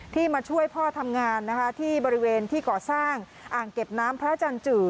มาช่วยพ่อทำงานนะคะที่บริเวณที่ก่อสร้างอ่างเก็บน้ำพระจันจือ